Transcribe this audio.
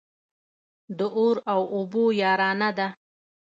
د اور او اوبو يارانه ده.